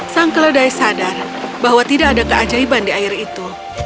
sang keledai sadar bahwa tidak ada keajaiban di air itu